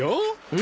え？